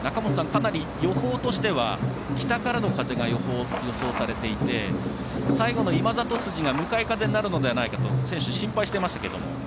かなり予報としては北からの風が予想されていて、最後の今里筋が向かい風になるのではないかと選手、心配していましたけど。